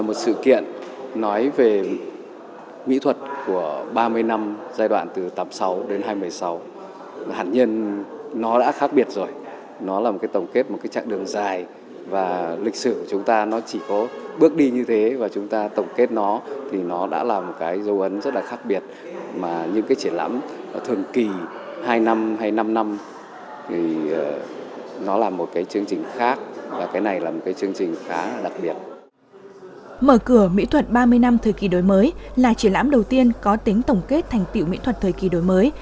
mở cửa mỹ thuật ba mươi năm thời kỳ đổi mới là triển lãm đầu tiên có tính tổng kết thành tiệu mỹ thuật thời kỳ đổi mới